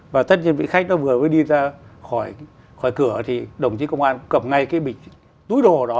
và tất nhiên vị khách nó vừa mới đi ra khỏi cửa thì đồng chí công an cầm ngay cái bị túi đồ đó